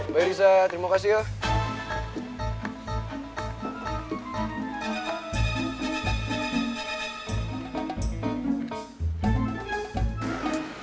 baik risa terima kasih ya